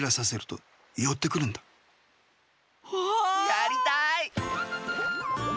やりたい！